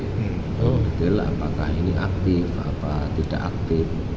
belum detil apakah ini aktif atau tidak aktif